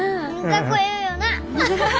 かっこええよな！